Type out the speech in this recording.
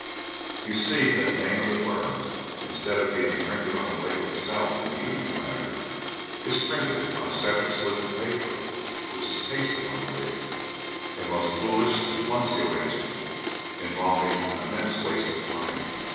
You see that the name of the firm, instead of being printed on the label itself in the usual manner, is printed on a separate slip of paper which is pasted on the label a most foolish and clumsy arrangement, involving an immense waste of time.